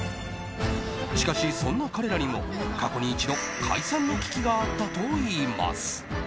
しかし、そんな彼らにも過去に一度解散の危機があったといいます。